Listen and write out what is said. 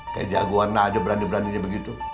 kayak jagoan aja berani beraninya begitu